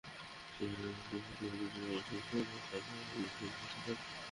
শিহাবের একটা অসামান্য প্রতিভা হলো, তুচ্ছ সমস্যাকেও বাঁচা-মরার পর্যায়ে নিতে পারে।